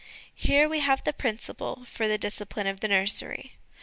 Here we have the principle for the discipline of the nursery.